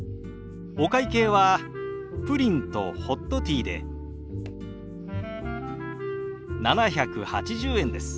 お会計はプリンとホットティーで７８０円です。